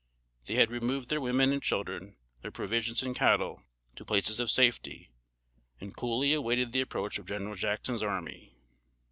They had removed their women and children, their provisions and cattle, to places of safety, and coolly awaited the approach of General Jackson's army.